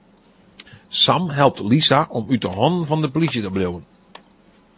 Sam helpt Lisa om út 'e hannen fan de polysje te bliuwen.